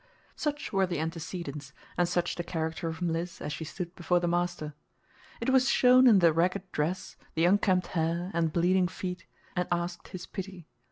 Such were the antecedents, and such the character of Mliss as she stood before the master. It was shown in the ragged dress, the unkempt hair, and bleeding feet, and asked his pity.